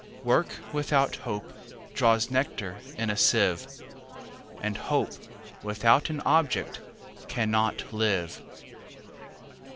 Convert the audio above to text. Work without Hope draws nectar in a sieve, And Hope without an object cannot live.